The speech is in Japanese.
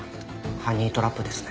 ハニートラップですね。